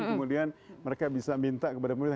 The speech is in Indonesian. kemudian mereka bisa minta kepada pemerintah